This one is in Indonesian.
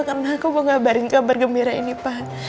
karena aku mau ngabarin kabar gembira ini pa